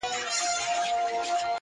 دا هم له تا جار دی، اې وطنه زوروره.